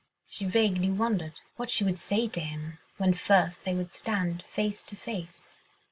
She vaguely wondered what she would say to him when first they would stand face to face.